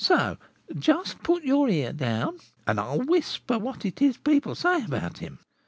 So, just put your ear down and I'll whisper what it is people say about him."